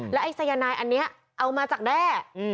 ไอ้สายนายอันนี้เอามาจากแด้